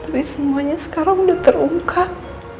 tapi semuanya sekarang sudah terungkap